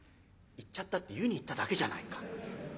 「行っちゃったって湯に行っただけじゃないか。